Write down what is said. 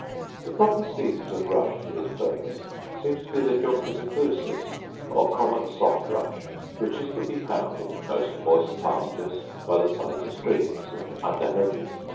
The proper species of rush for this purpose seems to be the juncus effusus, or common soft rush, which is to be found in most moist pastures, by the sides of streams, and under hedges.